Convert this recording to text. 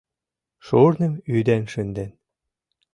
Шурным ӱден шынден.